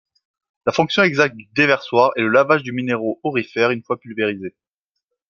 La fonction exacte du déversoir est le lavage du minerai aurifère une fois pulvérisé.